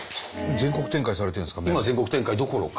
全国展開されてるんですか？